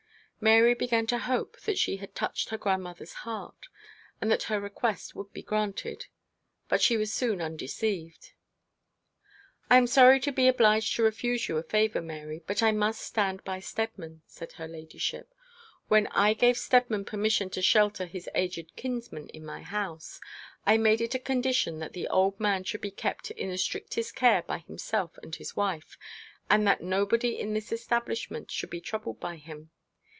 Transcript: Mary began to hope that she had touched her grandmother's heart, and that her request would be granted: but she was soon undeceived. 'I am sorry to be obliged to refuse you a favour, Mary, but I must stand by Steadman,' said her ladyship. 'When I gave Steadman permission to shelter his aged kinsman in my house, I made it a condition that the old man should be kept in the strictest care by himself and his wife, and that nobody in this establishment should be troubled by him.